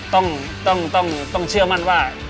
ต้องเชื่อมั่นว่า